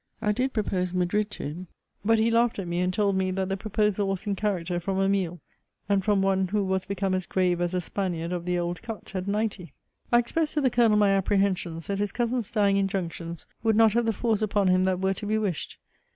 I did propose Madrid to him; but he laughed at me, and told me, that the proposal was in character from a mule; and from one who was become as grave as a Spaniard of the old cut, at ninety. I expressed to the Colonel my apprehensions, that his cousin's dying injunctions would not have the force upon him that were to be wished.